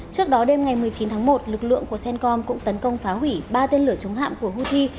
trước đó đêm ngày một mươi chín tháng một lực lượng của cencom cũng tấn công phá hủy ba tên lửa chống hạm của houthi